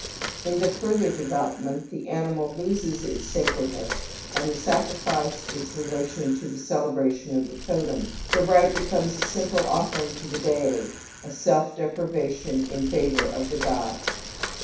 In the further development the animal loses its sacredness and the sacrifice its relation to the celebration of the totem ; the rite becomes a simple offering to the deity, a self deprivation in favour of the god.